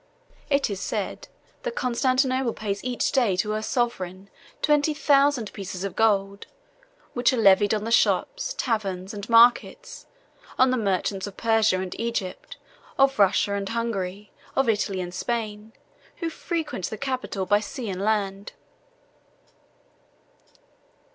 It is said, that Constantinople pays each day to her sovereign twenty thousand pieces of gold; which are levied on the shops, taverns, and markets, on the merchants of Persia and Egypt, of Russia and Hungary, of Italy and Spain, who frequent the capital by sea and land."